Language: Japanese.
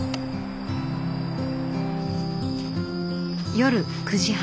夜９時半。